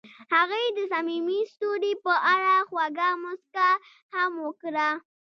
هغې د صمیمي ستوري په اړه خوږه موسکا هم وکړه.